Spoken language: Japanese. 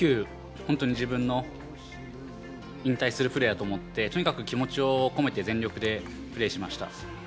本当に自分の引退するプレーだと思ってとにかく気持ちを込めて全力でプレーしました。